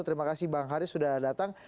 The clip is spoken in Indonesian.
terima kasih bang haris sudah datang